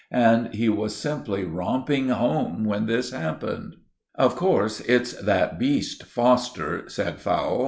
And he was simply romping home when this happened. "Of course, it's that beast Foster," said Fowle.